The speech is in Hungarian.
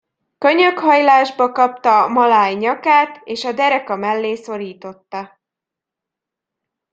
Könyökhajlásba kapta a maláj nyakát, és a dereka mellé szorította.